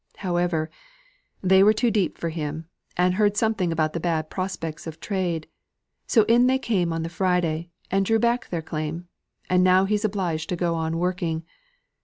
However, they were too deep for him, and heard something about the bad prospects of trade. So in they came on the Friday, and drew back their claim, and now he's obliged to go on working.